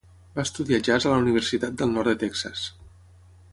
Va estudiar jazz a la Universitat del nord de Texas.